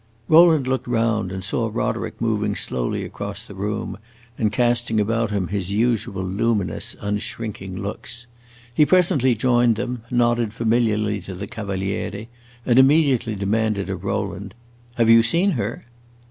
Rowland looked round and saw Roderick moving slowly across the room and casting about him his usual luminous, unshrinking looks. He presently joined them, nodded familiarly to the Cavaliere, and immediately demanded of Rowland, "Have you seen her?"